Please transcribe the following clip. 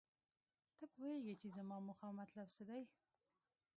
ته پوهیږې چې زما موخه او مطلب څه دی